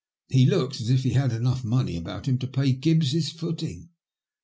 He looks as if he had enough money about him to pay Gibbs his footing."